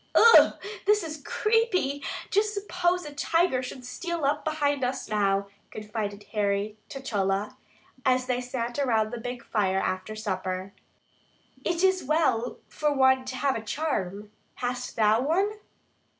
"Ough! this is creepy. Just suppose a tiger should steal up behind us now," confided Harry to Chola, as they sat around the big fire after supper. "It is well to have a charm; hast thou one?"